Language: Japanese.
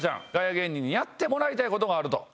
芸人にやってもらいたいことがある。